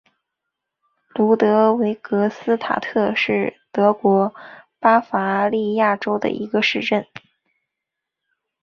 卢德维格斯塔特是德国巴伐利亚州的一个市镇。